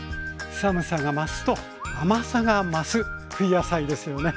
寒さが増すと甘さが増す冬野菜ですよね。